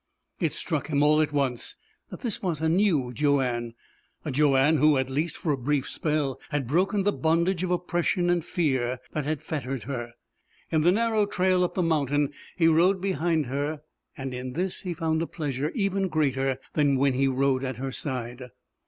It struck him, all at once, that this was a new Joanne a Joanne who, at least for a brief spell, had broken the bondage of oppression and fear that had fettered her. In the narrow trail up the mountain he rode behind her, and in this he found a pleasure even greater than when he rode at her side.